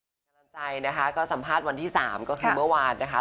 กำลังใจนะคะก็สัมภาษณ์วันที่๓ก็คือเมื่อวานนะคะ